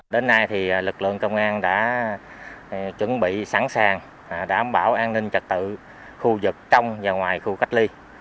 đến nay lực lượng công an đã chuẩn bị sẵn sàng đảm bảo an ninh trật tự khu vực trong và ngoài khu cách ly